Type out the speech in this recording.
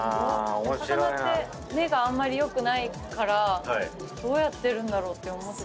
お魚って目があんまり良くないからどうやってるんだろうって。